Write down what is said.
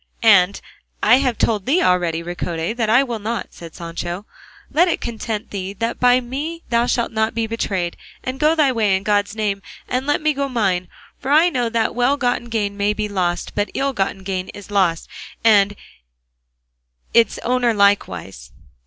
"And I have told thee already, Ricote, that I will not," said Sancho; "let it content thee that by me thou shalt not be betrayed, and go thy way in God's name and let me go mine; for I know that well gotten gain may be lost, but ill gotten gain is lost, itself and its owner likewise."